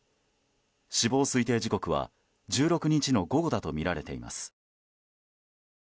死亡推定時刻は１６日の午後だとみられています。